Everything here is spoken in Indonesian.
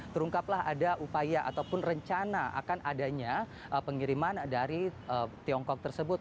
terungkaplah ada upaya ataupun rencana akan adanya pengiriman dari tiongkok tersebut